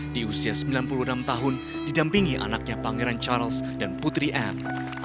di usia sembilan puluh enam tahun didampingi anaknya pangeran charles dan putri anne